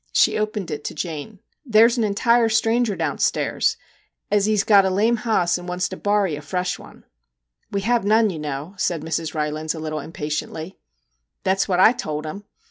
She opened it to Jane. ' There 's an entire stranger downstairs, ez hez got a lame hoss and wants to borry a fresh one.' 'We have none, you know/ said Mrs. Rylands, a little impatiently. io MR. JACK HAMLIN'S MEDIATION 1 Thet 's what I told him.